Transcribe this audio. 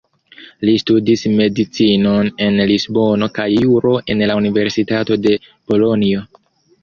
Li studis medicinon en Lisbono kaj juro en la Universitato de Bolonjo.